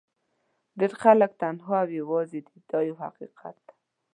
ډېر خلک تنها او یوازې دي دا یو حقیقت دی.